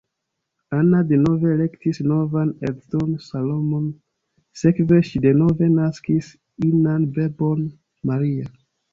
Anna denove elektis novan edzon Solomon, sekve ŝi denove naskis inan bebon Maria.